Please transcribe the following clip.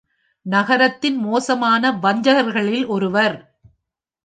நகரத்தின் மோசமான வஞ்சகர்களில் ஒருவர்!